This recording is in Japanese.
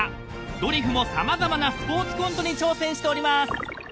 ドリフも様々なスポーツコントに挑戦しております］